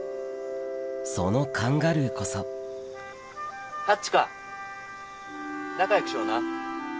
そのカンガルーこそハッチか仲よくしような。